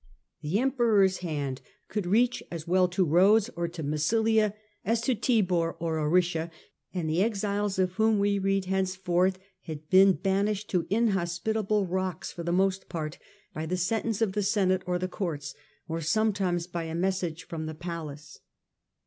The Emperor's hand could reach as well to Rhodes or to Massilia as to Tibur or Aricia, and the exiles of whom we read henceforth had been banished to inhospitable rocks for the most part by the sentence of the Senate or the courts, or sometimes by a message from the palace.